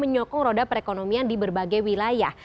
menyokong roda perekonomian di berbagai wilayah